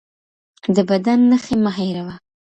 د بدن نښې مه هېروه